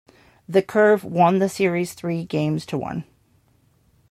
The Curve won the series three games to one.